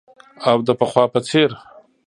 او د پخوا په څیر